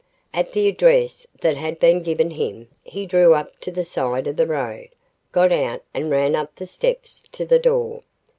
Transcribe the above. At the address that had been given him, he drew up to the side of the road, got out and ran up the steps to the door.